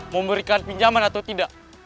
memberikan pinjaman atau tidak